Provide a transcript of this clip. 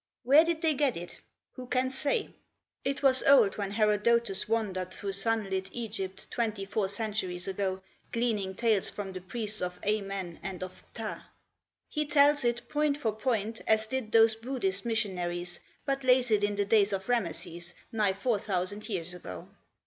Where did they get it? Who can say? It was old when Herodotus wandered through sun lit Egypt twenty four centuries ago, gleaning tales from the priests of Amen and of Ptah. He tells it, point for point, as did those Buddhist missionaries, but lays it in the days of Rameses, nigh four thousand years ago.